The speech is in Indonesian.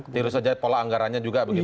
tidak usah jahat pola anggaran